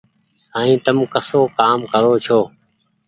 سائين تم ڪسو ڪآم ڪرو ڇو ۔